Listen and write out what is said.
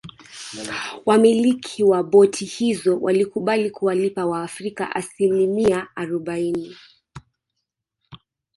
Wamiliki wa boti hizo walikubali kuwalipa waafrika asimilia arobaini